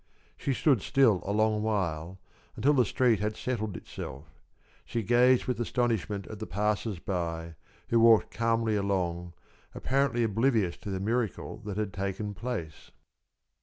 She stood still a long while, until the street had settled itself. She gazed with astonishment at the passers by, who walked calmly along, apparently oblivious to the miracle that had taken place.